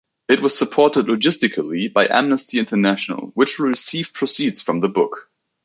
It was supported logistically by Amnesty International, which will receive proceeds from the book.